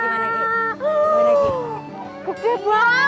gimana dik gimana dik